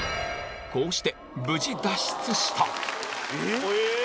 こうして無事脱出した。